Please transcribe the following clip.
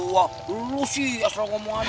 wah lo sih asal ngomong aja